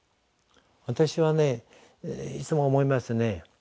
私はねいつも思いますね。